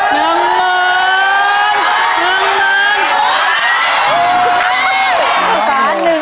น้ำมือ